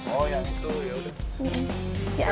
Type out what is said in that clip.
oh yang itu yaudah